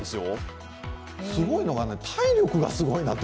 すごいのがね、体力がすごいなって